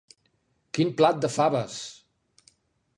Quin plat de faves!